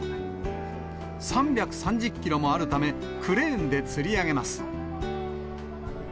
３３０キロもあるため、クレーンでつり上げます。